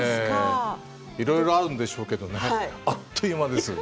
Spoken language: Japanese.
いろいろあるんでしょうけどねあっという間です。